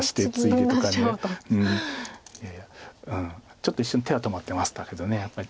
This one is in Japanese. ちょっと一瞬手は止まってましたけどやっぱり。